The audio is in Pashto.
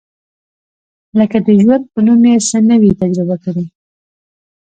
لکه د ژوند په نوم یې څه نه وي تجربه کړي.